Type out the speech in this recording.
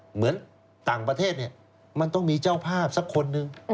เหมือนต่างประเทศเนี่ยมันต้องมีเจ้าภาพสักคนนึง